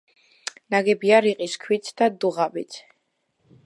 ნაგებია რიყის ქვით და დუღაბით.